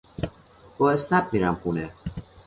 با اسنپ میرم خونه